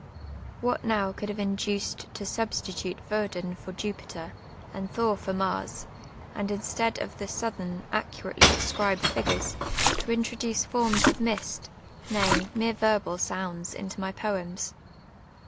Wliat now roxdd have inducfd to suhsti tulr \\'o<Umi for Jupitrr, and Thor for Mars, and instead of the Soutlu'ni. iiceuratcly drsc'rilKMl fip:ureM, to introduce forms of mist, nay, mere verhal sounds, into my poems